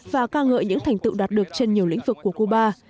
và ca ngợi những thành tựu đạt được trên nhiều lĩnh vực của cuba